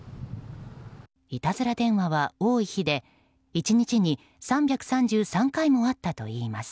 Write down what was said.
いたずら電話は多い日で１日に３３３回もあったといいます。